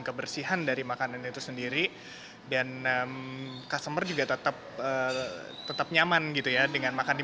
kebersihan dari makanan itu sendiri dan customer juga tetap tetap nyaman gitu ya dengan makan di